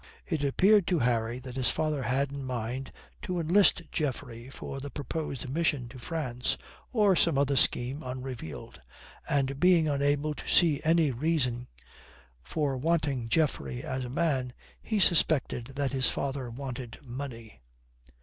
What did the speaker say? It appeared to Harry that his father had in mind to enlist Geoffrey for the proposed mission to France, or some other scheme unrevealed. And being unable to see any reason for wanting Geoffrey as a man, he suspected that his father wanted money.